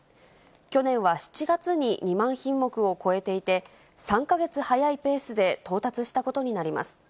去年は７月に２万品目を超えていて、３か月早いペースで到達したことになります。